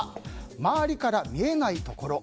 周りから見えないところ。